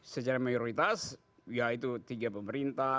secara mayoritas ya itu tiga pemberantasan